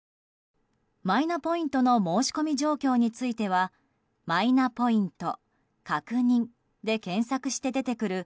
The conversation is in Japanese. マイナポイントの申し込み状況については「マイナポイント確認」で検索して出てくる